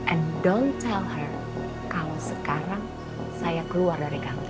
and don't tell her kalau sekarang saya keluar dari kantor